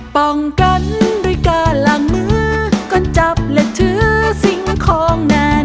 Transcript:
ป้องกันด้วยการล้างมือก็จับและถือสิ่งของนาน